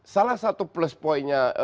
salah satu plus point nya